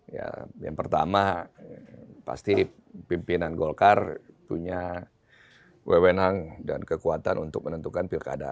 ya yang pertama pasti pimpinan golkar punya wewenang dan kekuatan untuk menentukan pilkada